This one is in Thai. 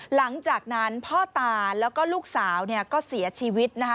หลังจากนั้นพ่อตาแล้วก็ลูกสาวเนี่ยก็เสียชีวิตนะคะ